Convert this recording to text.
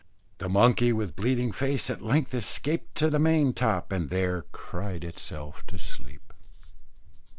The monkey with bleeding face, at length escaped to the maintop, and there cried itself asleep.